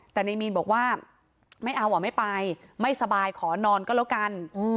แต่นายมีนบอกว่าไม่เอาอ่ะไม่ไปไม่สบายขอนอนก็แล้วกัน